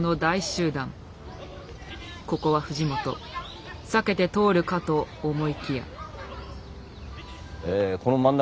ここは藤本避けて通るかと思いきや。